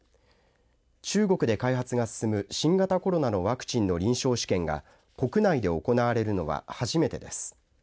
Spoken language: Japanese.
中国で開発が進む新型コロナのワクチンの臨床試験が国内で行われるのは初めてです。